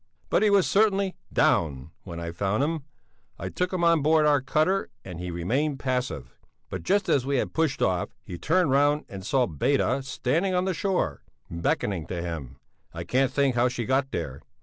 But he was certainly "down" when I found him. I took him on board our cutter and he remained passive. But just as we had pushed off, he turned round and saw Beda standing on the shore, beckoning to him; I can't think how she got there.